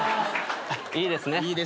いいですね。